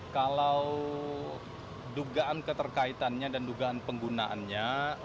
kalau dugaan keterkaitannya dan dugaan penggunaannya